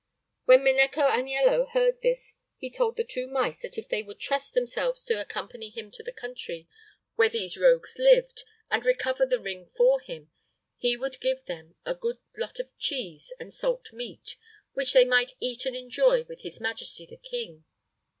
When Minecco Aniello heard this, he told the two mice that if they would trust themselves to accompany him to the country where these rogues lived, and recover the ring for him, he would give them a good lot of cheese and salt meat, which they might eat and enjoy with his majesty, the king.